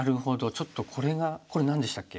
ちょっとこれがこれ何でしたっけ？